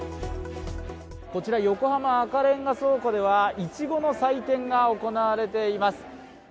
こちら横浜赤レンガ倉庫ではいちごの祭典が行われています。